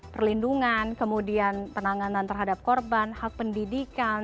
perlindungan kemudian penanganan terhadap korban hak pendidikan